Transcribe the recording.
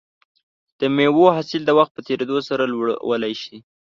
د مېوو حاصل د وخت په تېریدو سره لوړولی شي.